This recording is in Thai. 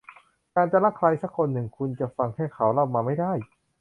การจะรักใครสักคนหนึ่งคุณจะฟังแค่เขาเล่ามาไม่ได้